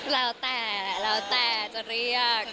แล้วแต่แล้วแต่จะเรียก